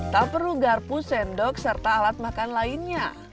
tak perlu garpu sendok serta alat makan lainnya